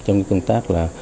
trong công tác là